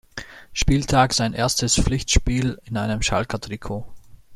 Spieltag, sein erstes Pflichtspiel in einem Schalker Trikot.